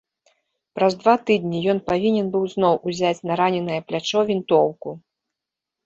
Праз два тыдні ён павінен быў зноў узяць на раненае плячо вінтоўку.